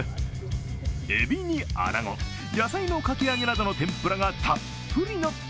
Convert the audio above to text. えびにあなご野菜のかき揚げなどの天ぷらがたっぷりのった